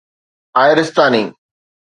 آئرستاني